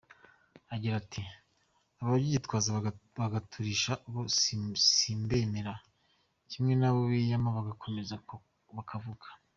Agira ati :”Ababyitwaza bagaturisha bo simbemera, kimwe n’abo biyama bagakomeza bakavuga.